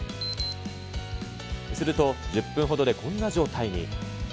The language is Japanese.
すると、１０分ほどでこんな状態に。